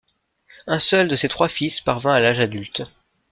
Un seul de ses trois fils parvint à l'âge adulte.